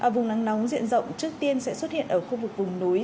vùng nắng nóng diện rộng trước tiên sẽ xuất hiện ở khu vực vùng núi